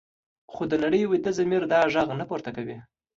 خو د نړۍ ویده ضمیر دا غږ نه پورته کوي.